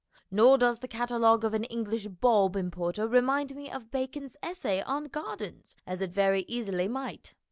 Nor does the catalogue of an English bulb importer remind me of Bacon's essay on gardens, as it very easily might.